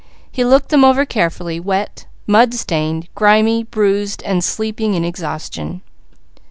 He looked them over carefully, wet, mud stained, grimy, bruised and sleeping in exhaustion.